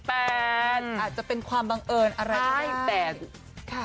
อาจจะเป็นความบังเอิญอะไรก็ได้แต่